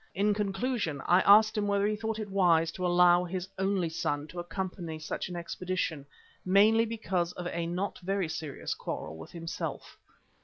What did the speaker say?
In conclusion, I asked him whether he thought it wise to allow his only son to accompany such an expedition, mainly because of a not very serious quarrel with himself.